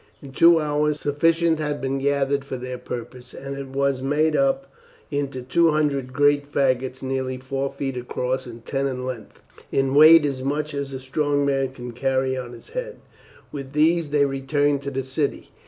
In two hours sufficient had been gathered for their purpose, and it was made up into two hundred great faggots nearly four feet across and ten in length, in weight as much as a strong man could carry on his head. With these they returned to the city.